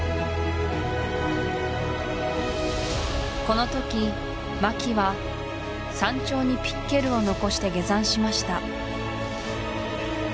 この時槇は山頂にピッケルを残して下山しました